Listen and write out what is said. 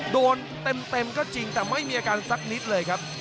โดนเต็มก็จริงแต่ไม่มีอาการสักนิดเลยครับ